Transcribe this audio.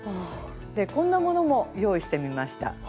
でこんなものも用意してみました。